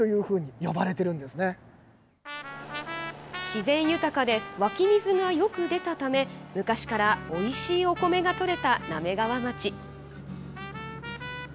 自然豊かで湧き水がよく出たため昔からおいしいお米が取れた滑川町。